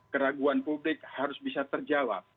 keraguan publik harus bisa terjawab